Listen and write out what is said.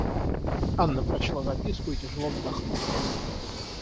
Анна прочла записку и тяжело вздохнула.